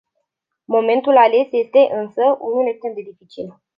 Momentul ales este, însă, unul extrem de dificil.